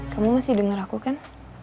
kamu masih dengar aku kan